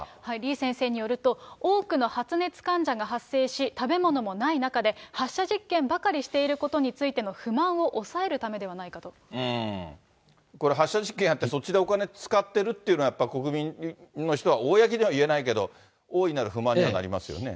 李先生によると、多くの発熱患者が発生し、食べ物もない中で、発射実験ばかりしていることについての不満を抑えるためではないこれ、発射実験やったら、そっちでお金使ってるというのは、やっぱり国民の人は公には言えないけど、大いなる不満にはなりますよね。